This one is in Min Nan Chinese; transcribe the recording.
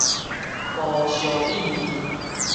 鍋燒意麵